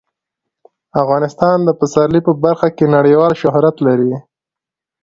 افغانستان د پسرلی په برخه کې نړیوال شهرت لري.